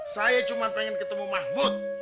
saya cuma pengen ketemu mahmud